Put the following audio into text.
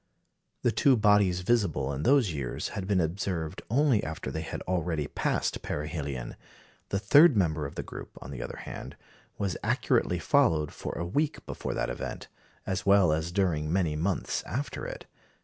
The two bodies visible in those years had been observed only after they had already passed perihelion; the third member of the group, on the other hand, was accurately followed for a week before that event, as well as during many months after it.